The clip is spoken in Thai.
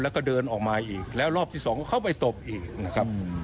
แล้วก็เดินออกมาอีกแล้วรอบที่สองก็เข้าไปตบอีกนะครับ